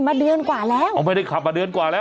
มาเดือนกว่าแล้ว